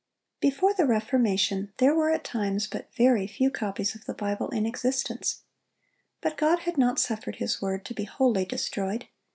] Before the Reformation, there were at times but very few copies of the Bible in existence; but God had not suffered His word to be wholly destroyed.